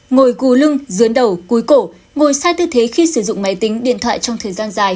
ngồi gù lưng dưới đầu cúi cổ ngồi sai tư thế khi sử dụng máy tính điện thoại trong thời gian dài